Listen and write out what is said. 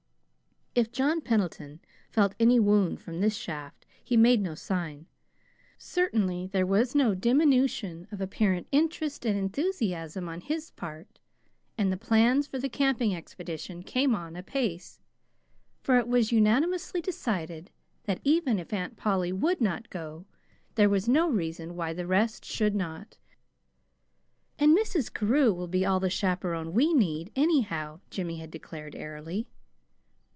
If John Pendleton felt any wound from this shaft, he made no sign. Certainly there was no diminution of apparent interest and enthusiasm on his part, and the plans for the camping expedition came on apace, for it was unanimously decided that, even if Aunt Polly would not go, that was no reason why the rest should not. "And Mrs. Carew will be all the chaperon we need, anyhow," Jimmy had declared airily.